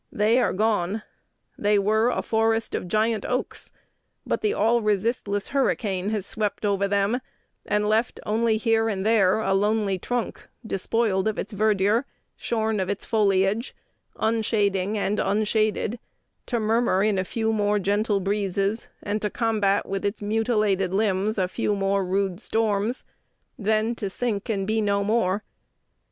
They are gone. They were a forest of giant oaks; but the all resistless hurricane has swept over them, and left only here and there a lonely trunk, despoiled of its verdure, shorn of its foliage, unshading and unshaded, to murmur in a few more gentle breezes, and to combat with its mutilated limbs a few more rude storms, then to sink and be no more.